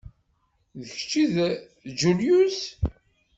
D kečč i d Julius?